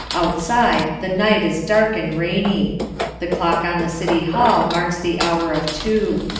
Outside the night is dark and rainy. The clock on the City Hall marks the hour of two.